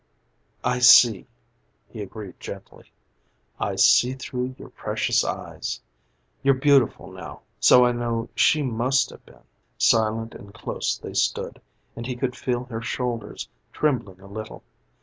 "I see," he agreed gently. "I see through your precious eyes. You're beautiful now, so I know she must have been." Silent and close they stood, and he could feel her shoulders trembling a little.